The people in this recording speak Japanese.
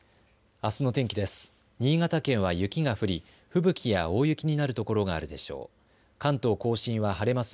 あすの天気です。